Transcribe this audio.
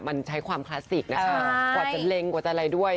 มันใช้ความคลาสสิกนะคะกว่าจะเล็งกว่าจะอะไรด้วย